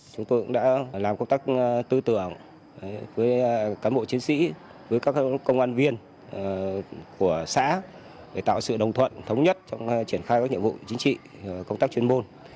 chúng tôi cũng đã làm công tác tư tưởng với cán bộ chiến sĩ với các công an viên của xã để tạo sự đồng thuận thống nhất trong triển khai các nhiệm vụ chính trị công tác chuyên môn